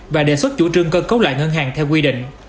và đề xuất chủ trương cơ cấu lại ngân hàng theo quy định